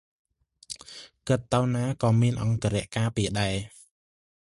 គាត់ទៅណាក៏មានអង្គរក្សការពារដែរ ។